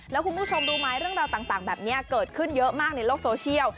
แล้วคุณผู้ชมรู้ไหมเรื่องราวต่างแบบนี้เกิดขึ้นเยอะมากในโลกโซเชียล